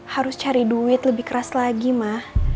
harus cari duit lebih keras lagi mah